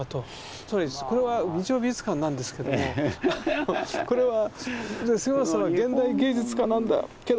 つまりこれは「日曜美術館」なんですけどもこれは杉本さんは現代芸術家なんだけど。